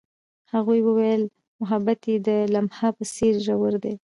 هغې وویل محبت یې د لمحه په څېر ژور دی.